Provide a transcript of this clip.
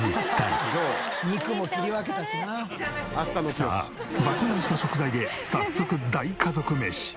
さあ爆買いした食材で早速大家族メシ。